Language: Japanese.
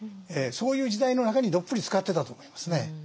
そういう時代の中にどっぷりつかってたと思いますね。